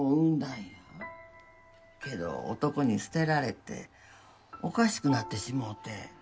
けど男に捨てられておかしくなってしもうて。